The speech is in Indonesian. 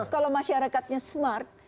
kalau masyarakatnya smart